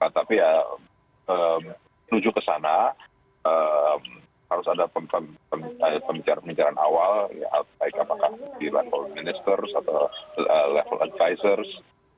tapi ya menuju ke sana harus ada pembicaraan pembicaraan awal baik apakah di level minister atau level advisors